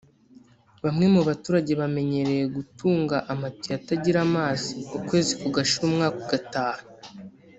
bamwe mu baturage bamenyereye gutunga amatiyo atagira amazi ukwezi kugashira umwaka ugataha